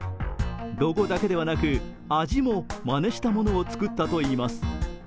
ロゴだけではなく、味もまねしたものを作ったといいます。